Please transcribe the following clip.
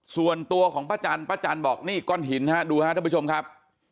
ส่วนตัวของป้าจันป้าจันบอกนี่ก้อนหินฮะดูครับท่านผู้ชมครับ